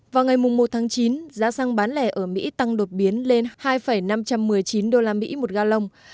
vào ngày một tháng chín giá xăng bán lẻ ở mỹ tăng đột biến lên hai năm trăm một mươi chín usd một ga lông